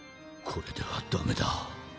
これではダメだ。